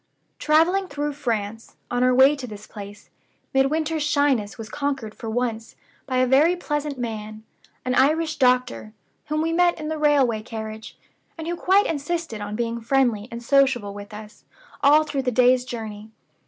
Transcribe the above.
"Traveling through France, on our way to this place, Midwinter's shyness was conquered for once, by a very pleasant man an Irish doctor whom we met in the railway carriage, and who quite insisted on being friendly and sociable with us all through the day's journey.